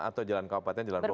atau jalan kabupaten jalan bogor